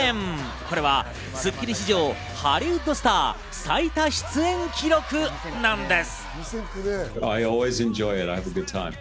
これは『スッキリ』史上、ハリウッドスター最多出演記録なんです。